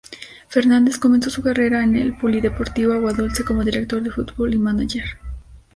Fernández comenzó su carrera en el Polideportivo Aguadulce, como director de fútbol y manager.